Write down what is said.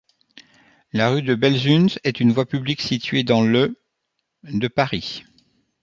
La rue de Belzunce est une voie publique située dans le de Paris.